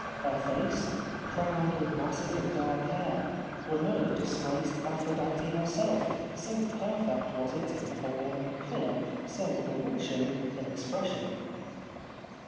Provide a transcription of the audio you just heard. Her face, crowned with masses of dark hair, would not have disgraced Aphrodite herself, so per fect was it in form and colour, so bewitching in expression.